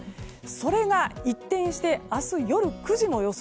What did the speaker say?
それが一転して明日夜９時の予想